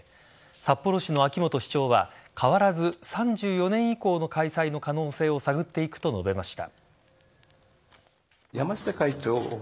札幌市の秋元市長は変わらず３４年以降の開催の可能性を探っていくと述べました。